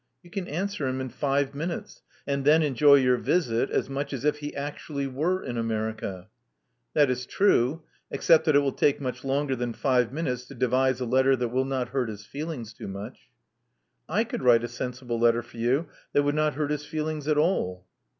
You can answer him in five minutes, and then enjoy your visit as much as if he actually were in America." '*That is true. Except that it will take much longer than five minutes to devise a letter that will not hurt his feelings too much. ' I could write a sensible letter for you that would not hurt his feelings at all.